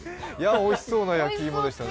おいしそうな焼き芋でしたね。